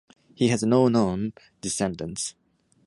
He has no known descendants.